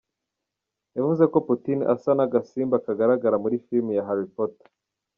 Yavuze ko Putin asa n’agasimba kagaragara muri film ya ‘Harry Potter’.